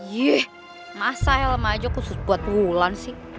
yeh masa helm aja khusus buat wulan sih